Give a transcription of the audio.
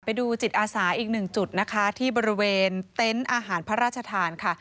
ไปดูจิตอาสาอีกหนึ่งจุดนะคะที่บริเวณเต็นต์อาหารพระราชทานค่ะ